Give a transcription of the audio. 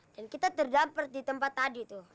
dan kita terdampar di tempat tadi tuh